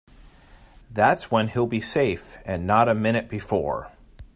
That's when he'll be safe and not a minute before.